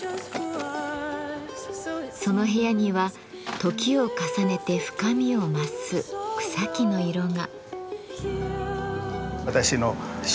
その部屋には時を重ねて深みを増す草木の色が。